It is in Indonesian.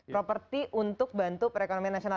properti untuk bantu perekonomian nasional